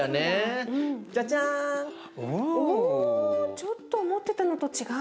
ちょっと思ってたのと違う。